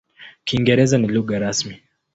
Kiingereza ni lugha rasmi.